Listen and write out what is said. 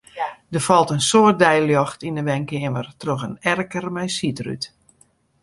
Der falt in soad deiljocht yn 'e wenkeamer troch in erker mei sydrút.